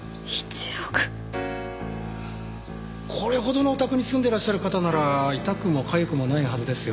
これほどのお宅に住んでらっしゃる方なら痛くも痒くもないはずですよ。